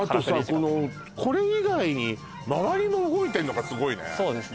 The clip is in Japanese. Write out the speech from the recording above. このこれ以外に周りも動いてんのがすごいねそうですね